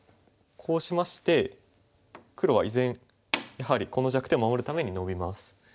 こうしまして黒は依然やはりこの弱点を守るためにノビます。